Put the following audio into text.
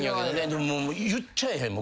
でも言っちゃえへん？